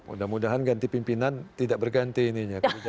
mudah mudahan ganti pimpinan tidak berganti ini